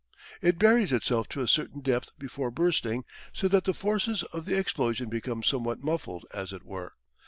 It buries itself to a certain depth before bursting so that the forces of the explosion become somewhat muffled as it were.